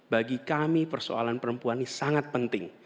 bagi kami persoalan perempuan ini sangat penting